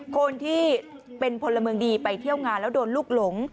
คนที่เป็นพลเมืองดีไปเที่ยวงานแล้วโดนลูกหลง